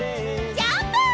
ジャンプ！